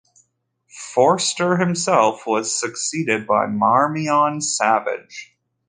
Forster himself was succeeded by Marmion Savage.